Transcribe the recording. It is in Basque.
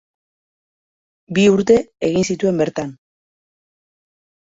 Bi urte egin zituen bertan.